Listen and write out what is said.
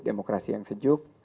demokrasi yang sejuk